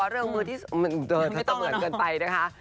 เรื่องมือที่สำเหมือนเกินไปนะคะ